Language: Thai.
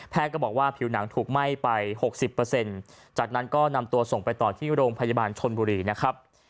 ก็บอกว่าผิวหนังถูกไหม้ไป๖๐จากนั้นก็นำตัวส่งไปต่อที่โรงพยาบาลชนบุรีนะครับ